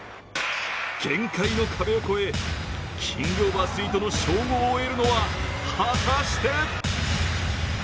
限界の壁を越え、キングオブアスリートの称号を得るのは、果たして。